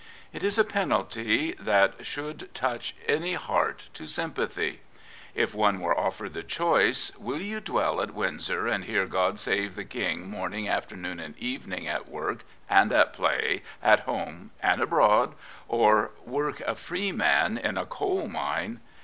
It is a penalty that should touch any heart to S5mipathy. If one were offered the choice, " Will you dwell at Windsor and hear ' God Save the King ' morning, afternoon, and evening, at work and at play, at home and abroad, or work, a free man, in a coal mine?